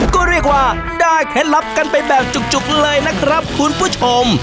ก็เรียกว่าได้เคล็ดลับกันไปแบบจุกเลยนะครับคุณผู้ชม